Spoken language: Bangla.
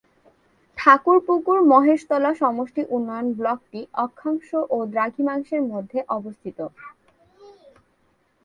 ঠাকুরপুকুর মহেশতলা সমষ্টি উন্নয়ন ব্লকটি অক্ষাংশ ও দ্রাঘিমাংশের মধ্যে অবস্থিত।